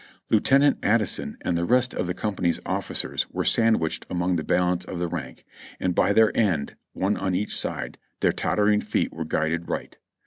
Lieutenant Addison and the rest of the com pany's officers were sandwiched among the balance of the rank, and by their aid, one on each side, their tottering feet were guided right.